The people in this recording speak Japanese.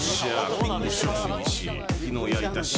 コンディションもいいし昨日焼いたし。